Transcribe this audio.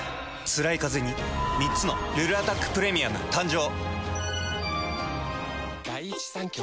つらいカゼに３つの「ルルアタックプレミアム」誕生。